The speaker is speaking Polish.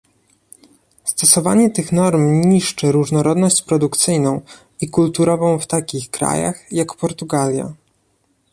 Stosowanie tych norm niszczy różnorodność produkcyjną i kulturową w takich krajach, jak Portugalia